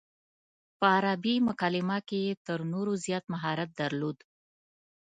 په عربي مکالمه کې یې تر نورو زیات مهارت درلود.